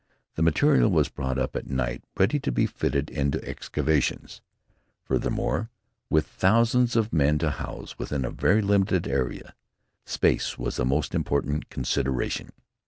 The material was brought up at night ready to be fitted into excavations. Furthermore, with thousands of men to house within a very limited area, space was a most important consideration.